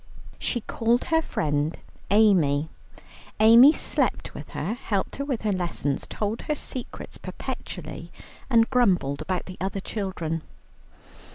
She called her friend Amy. Amy slept with her, helped her with her lessons, told her secrets perpetually, and grumbled about the other children.